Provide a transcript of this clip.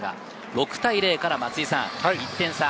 ６対０から１点差。